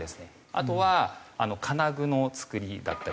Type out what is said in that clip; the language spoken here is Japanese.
あとは金具のつくりだったりとか。